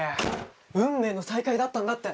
運命の再会だったんだって！